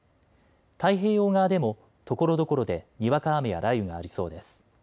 太平洋側でもところどころでにわか雨や雷雨がありそうです。